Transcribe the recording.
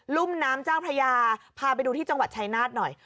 ุ่มน้ำเจ้าพระยาพาไปดูที่จังหวัดชายนาฏหน่อย